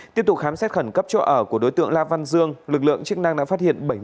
tiếp tục khám xét khẩn cấp chỗ ở của đối tượng la văn dương lực lượng chức năng đã phát hiện